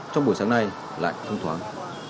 trong buổi sáng nay lại không thoáng